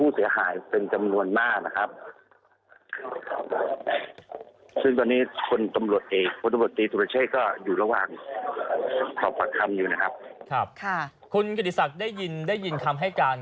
คุณกิติศักดิ์ได้ยินได้ยินคำให้การ